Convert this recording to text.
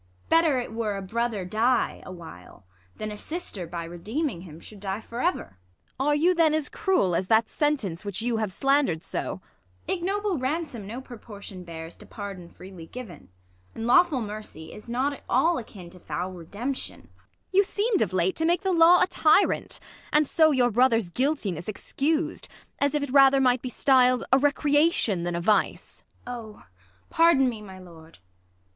Better it were a brother die a while, Than a sister, by redeeming him, Should die for ever. Ang. Are you then as cruel as that sentence Which you have slander'd so ? LsA. Ignoble ransom no proportion bears To pardon freely given ; and lawful mercy Is not at all akin to foul redemption. Ang. You seem'd of late to make the law a tyrant ; And so your brother's guiltiness excus'd, As if it rather might be styl'd A recreation than a vice. ISA. 0 pardon me, my Lord.